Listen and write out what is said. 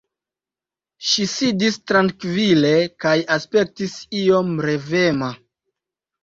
Ŝi sidis trankvile kaj aspektis iom revema.